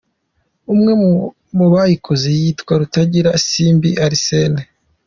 Umwe mu bayikoze yitwa Rutangira Simbi Arsène.